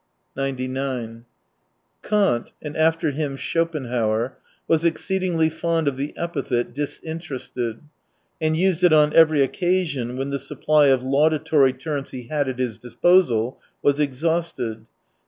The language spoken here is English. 99 Kant, and after him Schopenhauer, was exceedingly fond of the epithet " disin terested," and used it on every occasion when the supply of laudatory terms he had at his disposal was exhausted.